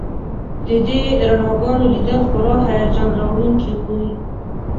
د دې رڼاګانو لیدل خورا هیجان راوړونکي وي